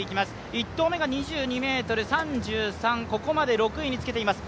１投目が２２ｍ３３、ここまで６位につけています。